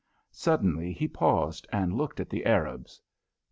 Suddenly he paused and looked at the Arabs.